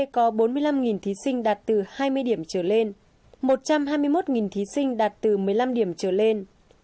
còn lại ở các khối b có một mươi năm thí sinh đạt từ một mươi năm điểm trở lên một trăm hai mươi một thí sinh đạt từ một mươi năm điểm trở lên